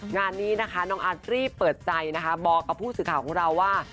งานนี้นะคะน้องอาร์ตรีบเปิดใจนะคะบอกกับผู้สื่อข่าวของเราว่า